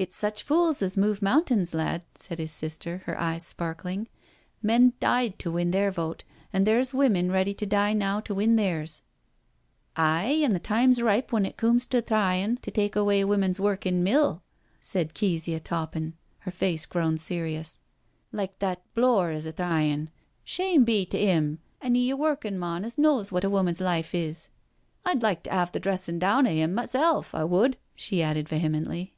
" It's such fools as move mountains, lad," said his sister, her eyes sparkling. " Men died to win their vote, an' there's women ready to die now to win theirs." *' Aye, an' the time's ripe when it coomes to thrying to take away women's work in mill," said Keziah Toppin, her face grown serious, " like that Blore is a thrying, shame be to 'im, an' 'e a workin' mon as knows what a woman's life is. I'd like to 'ave the dressin' down of 'im misel', I wud," she added vehemently.